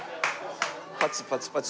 パチパチパチ。